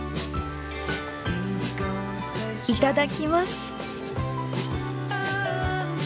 いただきます。